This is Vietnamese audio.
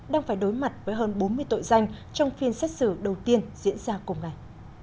đang phải đối mặt với hơn bốn mươi tội danh trong phiên xét xử đầu tiên diễn ra cùng ngày